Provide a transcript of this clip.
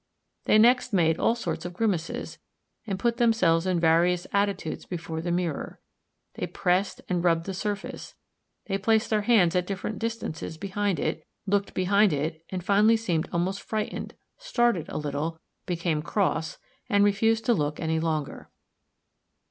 They next made all sorts of grimaces, and put themselves in various attitudes before the mirror; they pressed and rubbed the surface; they placed their hands at different distances behind it; looked behind it; and finally seemed almost frightened, started a little, became cross, and refused to look any longer.